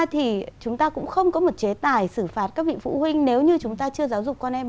thì chúng ta cũng không có một chế tài xử phạt các vị phụ huynh nếu như chúng ta chưa giáo dục con em